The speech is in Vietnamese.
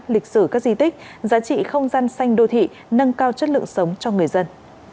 lịch sử các di tích giá trị không gian xanh đô thị nâng cao chất lượng sống cho người dân